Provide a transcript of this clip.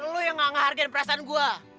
lu yang gak ngehargai perasaan gua